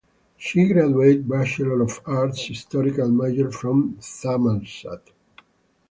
She graduate Bachelor of Arts Historical major from Thammasat.